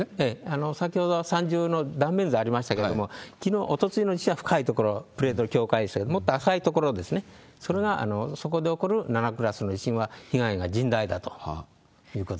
先ほど、三重の断面図ありましたけれども、きのう、おとついの地震では深い所、プレートの境界線、もっと浅い所ですね、それがそこで起こる７クラスの地震は被害が甚大だということ